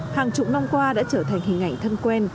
hàng chục năm qua đã trở thành hình ảnh thân quen